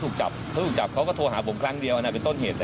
ตั้งแต่เขาถูกจับเขาก็โทรหาผมครั้งเดียวอันนั้นเป็นต้นเหตุเลย